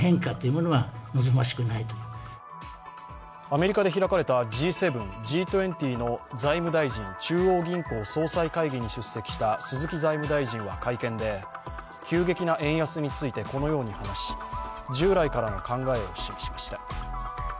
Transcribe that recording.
アメリカで開かれた、Ｇ７、Ｇ２０の財務大臣・中央銀行総裁会議に出席した鈴木財務大臣は会見で急激な円安についてこのように話し従来からの考えを示しました。